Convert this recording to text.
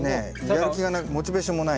やる気がなくモチベーションもないし。